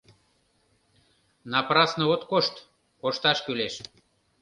— Напрасно от кошт, кошташ кӱлеш.